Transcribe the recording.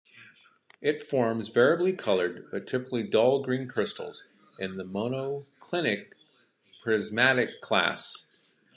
It forms variably colored, but typically dull green crystals in the monoclinic prismatic class.